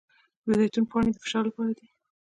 د زیتون پاڼې د فشار لپاره دي.